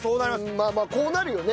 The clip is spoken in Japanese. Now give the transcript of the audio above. まあまあこうなるよね。